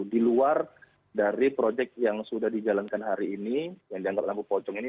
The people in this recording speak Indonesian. di luar dari proyek yang sudah dijalankan hari ini yang dianggap lampu pocong ini